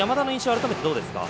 改めてどうですか。